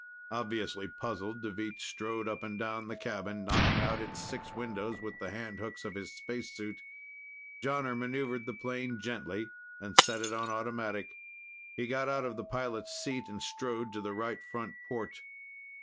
Obviously puzzled, Deveet strode up and down the cabin, knocking out its six windows with the handhooks of his spacesuit. Jonner maneuvered the plane gently, and set it on automatic. He got out of the pilot's seat and strode to the right front port.